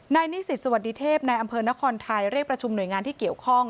นิสิตสวัสดีเทพในอำเภอนครไทยเรียกประชุมหน่วยงานที่เกี่ยวข้อง